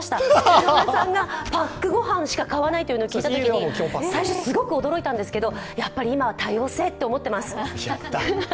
井上さんがパックご飯しか買わないというのを聞いたときに、最初、すごく驚いたんですけどやっぱり今は多様性と思ってます。